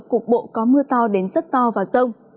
cục bộ có mưa to đến rất to và rông